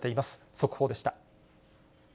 速報でした。